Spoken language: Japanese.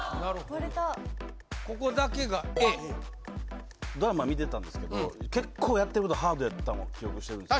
割れたここだけがＡドラマ見てたんですけど結構やってることハードやったのは記憶してるんです